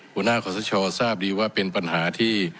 หัวหน้าขอสชทราบดีว่าเป็นปัญหาที่